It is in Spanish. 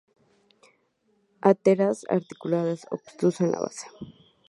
Anteras auriculadas obtuso en la base.